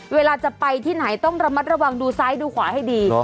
เวลาจะไปที่ไหนต้องระมัดระวังดูซ้ายดูขวาให้ดี